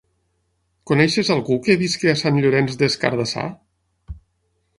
Coneixes algú que visqui a Sant Llorenç des Cardassar?